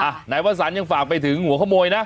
อ่ะไหนว่าสัญยังฝากไปถึงหัวขโมยนะ